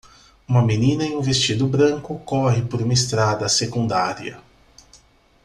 Uma menina em um vestido branco corre por uma estrada secundária.